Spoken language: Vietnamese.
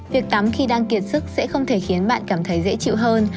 việc tắm khi đang kiệt sức sẽ không thể khiến bạn cảm thấy dễ chịu hơn